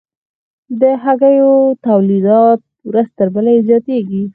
د هګیو تولیدات ورځ تر بلې زیاتیږي